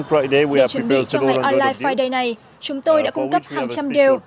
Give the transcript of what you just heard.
trong ngày online friday này chúng tôi đã cung cấp hàng trăm đều